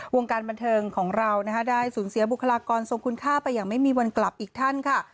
วงการบันเทิงของเรานะคะได้สูญเสียบุคลากรทรงคุณค่าไปอย่างไม่มีวันกลับอีกท่านค่ะ